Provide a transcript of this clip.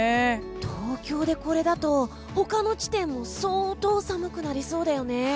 東京でこれだと他の地点も相当寒くなりそうだよね。